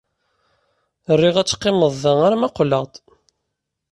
Riɣ ad teqqimed da arma qqleɣ-d.